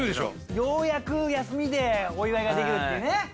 ようやく休みでお祝いができるっていうね。